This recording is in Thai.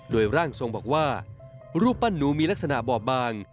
โดยร่างทรงบอกว่ารูปปั้นหนูมีลักษณะบอบบาง